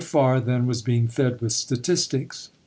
Farr, then, was being fed with statistics.